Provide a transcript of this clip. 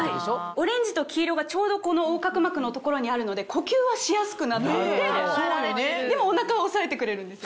オレンジと黄色がちょうどこの横隔膜の所にあるので呼吸はしやすくなっていてでもお腹は抑えてくれるんです。